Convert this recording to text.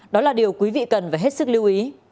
đó là điều quý vị cần phải hết sức lưu ý